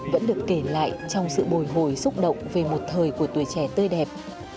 vẫn được kể lại trong sự bồi hồi xúc động về một thời của tuổi trẻ tươi đẹp